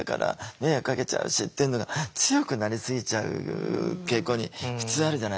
迷惑かけちゃうし」っていうのが強くなりすぎちゃう傾向に普通あるじゃないですか。